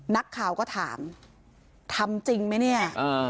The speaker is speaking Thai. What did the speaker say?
นักข่าวก็ถามทำจริงไหมเนี่ย